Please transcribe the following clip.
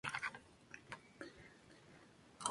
Este pico es el más alto de los Alpes berneses.